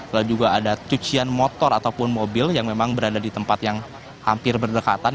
lalu juga ada cucian motor ataupun mobil yang memang berada di tempat yang hampir berdekatan